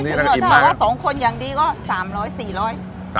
คนที่มาทานอย่างเงี้ยควรจะมาทานแบบคนเดียวนะครับ